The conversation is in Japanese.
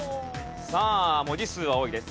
さあ文字数は多いです。